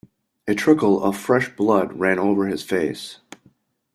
A trickle of fresh blood ran over his face.